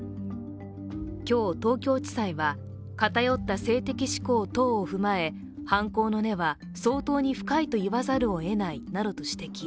今日、東京地裁は、偏った性的嗜好等を踏まえ、犯行の根は相当に深いと言わざるをえないなどと指摘。